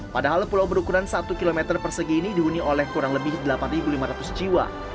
padahal pulau berukuran satu km persegi ini dihuni oleh kurang lebih delapan lima ratus jiwa